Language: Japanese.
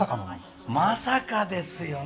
まさかですよね。